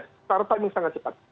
secara timing sangat cepat